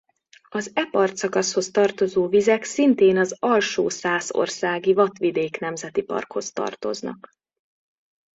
Az e partszakaszhoz tartozó vizek szintén az Alsó-Szászországi Watt-vidék Nemzeti Parkhoz tartoznak.